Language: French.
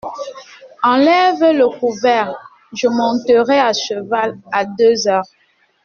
Enlève le couvert ; je monterai à cheval à deux heures.